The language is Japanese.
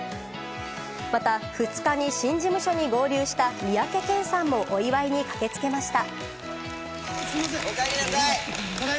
また、２日に新事務所に合流した三宅健さんもお祝いに駆けつけました。